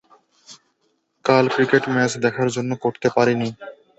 কাল cricket match দেখার জন্য করতে পারেনি।